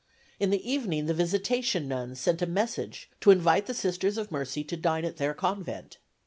In the evening the Visitation Nuns sent a message to invite the Sisters of Mercy to dine at their convent.